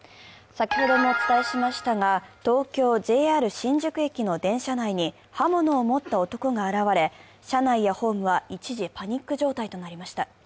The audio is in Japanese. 先ほどもお伝えしましたが東京・ＪＲ新宿駅の車内に、刃物を持った男が現れ、車内やホームは一時パニック状態となりました。